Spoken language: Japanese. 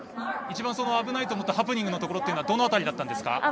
一番、危ないと思ったハプニングのところはどの辺りだったんですか？